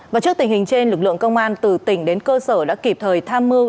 và trước tình hình trên lực lượng công an từ tỉnh đến cơ sở đã kịp thời tham mưu